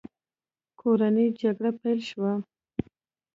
کورنۍ جګړه پیل شوه.